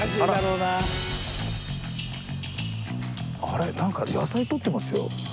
なんか野菜とってますよ。